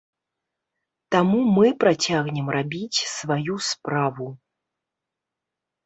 Таму мы працягнем рабіць сваю справу.